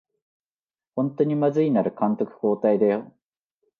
ほんとにまずいなら監督交代だよ